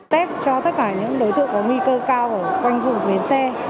tết cho tất cả những đối tượng có nguy cơ cao ở quanh vùng bến xe